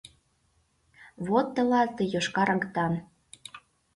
Вот тылат и йошкар агытан!